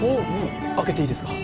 開けていいですか？